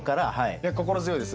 いや心強いです。